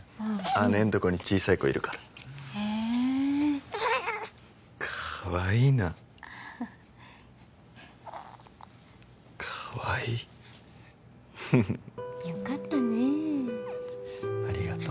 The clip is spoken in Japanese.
姉んとこに小さい子いるからへえかわいいなかわいいフフフッよかったねありがと